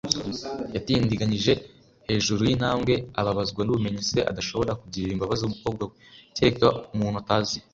Yatindiganyije hejuru yintambwe, ababazwa nubumenyi se adashobora kugirira imbabazi umukobwa we, kereka umuntu utazi.